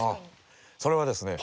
それはですね